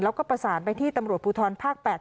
แล้วก็ประสานไปที่ตำรวจภูทรภาค๘